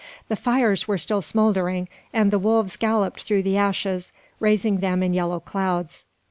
The fires were still smouldering, and the wolves galloped through the ashes, raising them in yellow clouds.